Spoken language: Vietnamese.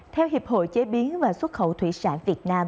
theo hiệp hội chế biến và xuất khẩu thủy sản việt nam